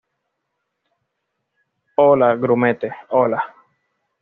hola, grumete. hola.